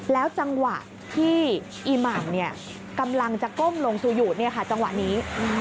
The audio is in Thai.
แล้วจังหวะที่อีหม่ำกำลังจะก้มลงซูอยู่จังหวะนี้